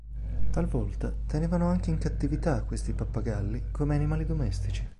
Talvolta tenevano anche in cattività questi pappagalli come animali domestici.